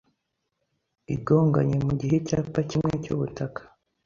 igonganye mugihe icyapa kimwe cyubutaka